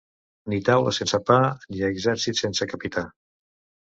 Ni taula sense pa ni exèrcit sense capità.